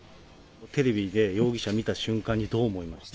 テレビで容疑者見た瞬間にどう思いましたか？